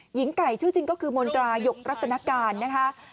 หญิงไก่ชื่อจริงก็คือมนตรายกรัตนการนะคะ